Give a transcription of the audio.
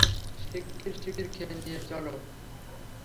শিগগির শিগগির খেয়ে নিয়ে চলো।